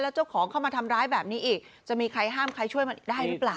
เจ้าของเข้ามาทำร้ายแบบนี้อีกจะมีใครห้ามใครช่วยมันได้หรือเปล่า